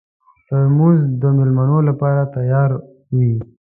ترموز د مېلمنو لپاره تیار وي.